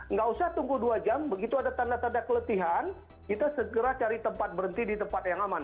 nggak usah tunggu dua jam begitu ada tanda tanda keletihan kita segera cari tempat berhenti di tempat yang aman